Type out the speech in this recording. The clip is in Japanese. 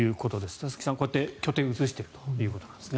佐々木さん、こうやって拠点を移しているということですね。